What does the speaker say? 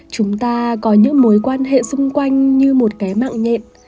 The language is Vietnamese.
chúng ta có những mối quan hệ xung quanh như một cái mạng nhện